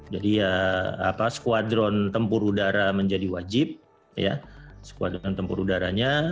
jadi ya apa skuadron tempur udara menjadi wajib ya skuadron tempur udaranya